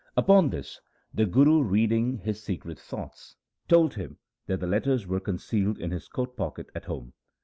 Upon this the Guru, reading his secret thoughts, told him that the letters were concealed in his coat pocket at home.